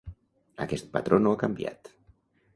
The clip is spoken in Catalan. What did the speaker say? Aquest patró no ha canviat.